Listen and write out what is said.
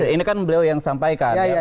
ini kan beliau yang sampaikan